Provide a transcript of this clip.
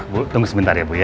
bu tunggu sebentar ya bu ya